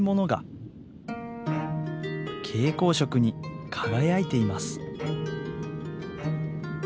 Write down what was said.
蛍光色に輝いています。